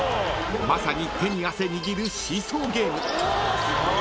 ［まさに手に汗握るシーソーゲーム］